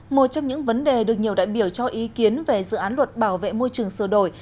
một trong những vấn đề được nhiều đại biểu cho ý kiến về dự án luật bảo vệ môi trường sửa đổi